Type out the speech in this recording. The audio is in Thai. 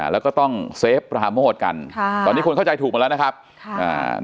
แล้วก็ต้องเซฟปราโมทกันค่ะตอนนี้คนเข้าใจถูกหมดแล้วนะครับค่ะอ่า